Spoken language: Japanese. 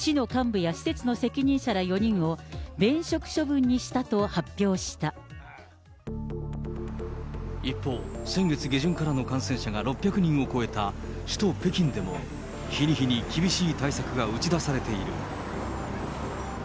地元当局は関係する市の幹部や施設の責任者ら４人を、一方、先月下旬からの感染者が６００人を超えた首都北京でも、日に日に厳しい対策が打ち出されている。